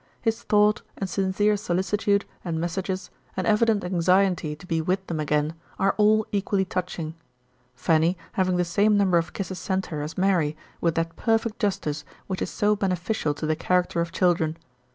His thought and sincere solicitude and messages, and evident anxiety to be with them again, are all equally touching ; Fanny having the same number of kisses sent her as Mary, with that perfect justice which is so beneficial to the character of children.